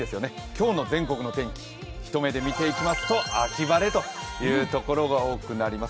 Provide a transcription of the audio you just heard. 今日の全国の天気、一目で見ていきますと秋晴れのところが多くなります。